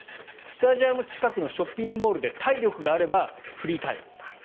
スタジアム近くのショッピングモールで体力があればフリータイム。